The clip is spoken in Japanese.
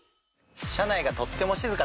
車内がとっても静かってこと？